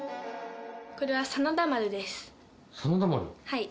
はい。